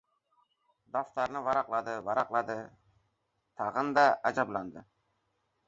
Daftarni varaqladi-varaqladi, tag‘inda ajablandi...